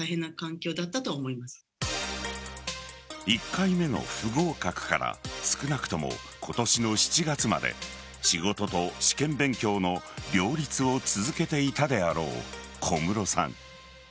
１回目の不合格から少なくとも今年の７月まで仕事と試験勉強の両立を続けていたであろう小室さん。